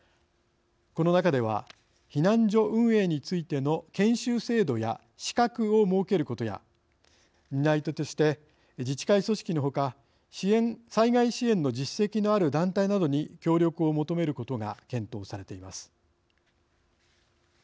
この中では避難所運営についての研修制度や資格を設けることや担い手として自治会組織のほか災害支援の実績のある団体などに協力を求めることが検討されています。